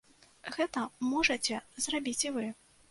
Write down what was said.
Гэта можаце зрабіць і вы!